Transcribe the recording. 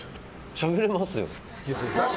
しゃべれますよ。